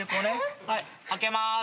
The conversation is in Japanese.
開けまーす。